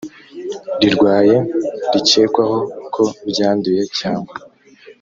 rirwaye rikekwaho ko ryanduye cyangwa